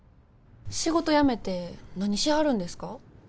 仕事辞めて何しはるんですか？